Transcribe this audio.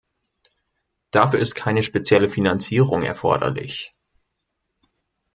Dafür ist keine spezielle Finanzierung erforderlich.